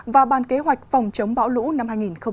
và ban kế hoạch phòng chống bão lũ năm hai nghìn hai mươi